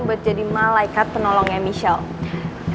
buat jadi malaikat penolongnya michelle